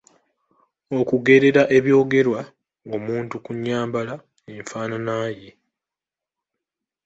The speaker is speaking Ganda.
Okugerera ebyogerwa omuntu ku nnyambala / enfaanana ye .